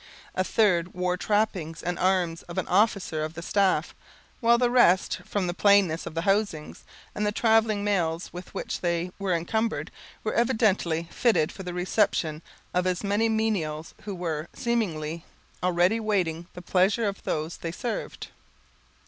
A third wore trappings and arms of an officer of the staff; while the rest, from the plainness of the housings, and the traveling mails with which they were encumbered, were evidently fitted for the reception of as many menials, who were, seemingly, already waiting the pleasure of those they served.